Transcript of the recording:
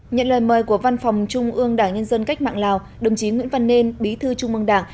nhận lời mời của văn phòng trung ương đảng nhân dân cách mạng lào đồng chí nguyễn văn nên bí thư trung mương đảng